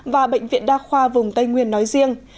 và bệnh viện đa khoa vùng tây nguyên nói riêng